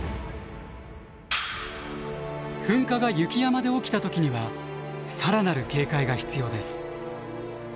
噴火が雪山で起きた時には更なる警戒が必要です。